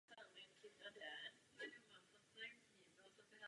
Na zadní straně je nápis v angličtině a číslice jsou arabské.